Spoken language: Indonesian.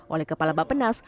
oleh kepala bapenas